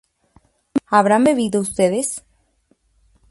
¿habrán bebido ustedes?